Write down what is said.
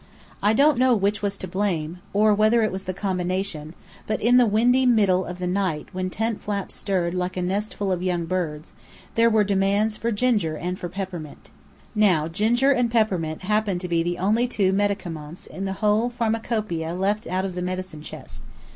I don't know which was to blame, or whether it was the combination; but in the windy middle of the night when tent flaps stirred like a nestful of young birds, there were demands for ginger and for peppermint. Now, ginger and peppermint happened to be the only two medicaments in the whole pharmacopoeia left out of the medicine chest.